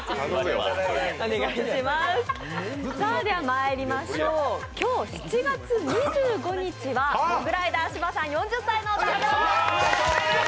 ではまいりましょう、今日７月２５日はモグライダー・芝さん、４０歳のお誕生日です。